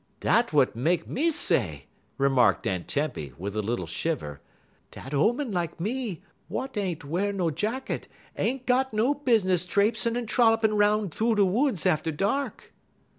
"Dat w'at make me say," remarked Aunt Tempy, with a little shiver, "dat 'oman like me, w'at ain't w'ar no jacket, ain't got no business traipsin' un trollopin' 'roun' thoo the woods atter dark."